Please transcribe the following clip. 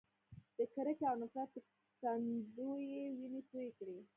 د کرکې او نفرت په تندو یې وینې تویې کړې.